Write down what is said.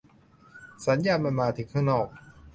สัญญาณมันมาถึงข้างนอก